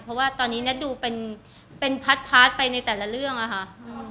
เพราะว่าตอนนี้เน็ตดูเป็นเป็นพัดไปในแต่ละเรื่องอะค่ะ